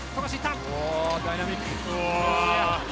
ダイナミック。